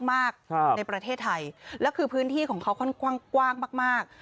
มากครับในประเทศไทยแล้วคือพื้นที่ของเขาค่อนข้างกว้างมากมาก